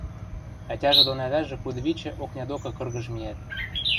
Ӓтяжӹ дон ӓвӓжӹ кудывичӹ окня докы кыргыж миӓт.